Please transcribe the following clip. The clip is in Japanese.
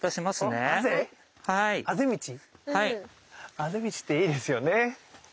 あぜ道っていいですよね。